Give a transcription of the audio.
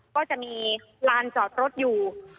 ก็จะมีลานจอดรถอยู่